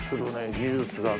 技術だね。